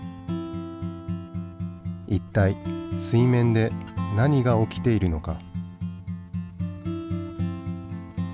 いったい水面で何が起きているのか？